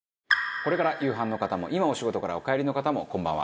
これから夕飯の方も今お仕事からお帰りのお方もこんばんは。